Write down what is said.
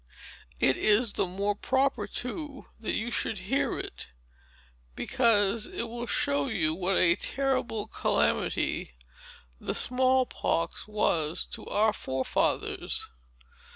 It is the more proper, too, that you should hear it, because it will show you what a terrible calamity the small pox was to our forefathers.